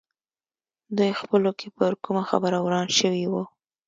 دوی خپلو کې پر کومه خبره وران شوي وو.